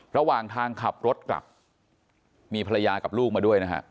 ระหว่างทางขับรถกลับมีภรรยากับลูกมาด้วยนะฮะ